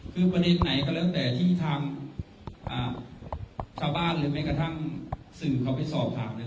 คือประเด็นไหนก็แล้วแต่ที่ทางชาวบ้านหรือแม้กระทั่งสื่อเขาไปสอบถามเนี่ย